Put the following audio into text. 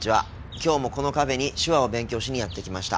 今日もこのカフェに手話を勉強しにやって来ました。